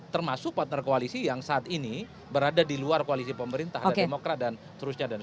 termasuk partner koalisi yang saat ini berada di luar koalisi pemerintah ada demokrat dan seterusnya